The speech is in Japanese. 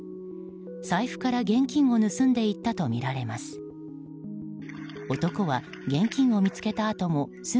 財布から現金を盗んだいったとみられます。